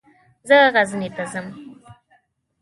زه غزني ته ځم.